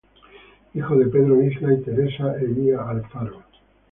Hijo de Pedro Isla y Teresa Hevia Alfaro.